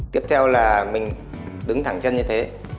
tiếp theo là mình đứng thẳng chân như thế